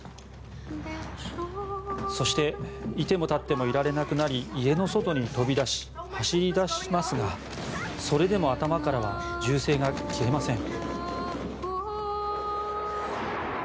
そしていても立ってもいられなくなり家の外に飛び出し走り出しますが、それでも頭からは銃声が消えません。